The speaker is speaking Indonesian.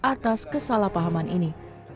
atas kesalahpahaman ini